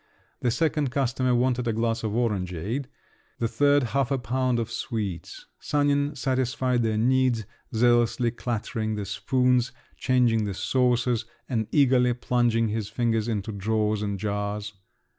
The second customer wanted a glass of orangeade, the third, half a pound of sweets. Sanin satisfied their needs, zealously clattering the spoons, changing the saucers, and eagerly plunging his fingers into drawers and jars.